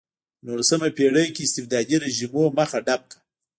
په نولسمه پېړۍ کې استبدادي رژیمونو مخه ډپ کړه.